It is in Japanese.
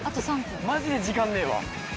マジで時間ねぇわ。